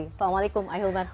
assalamualaikum ay hilman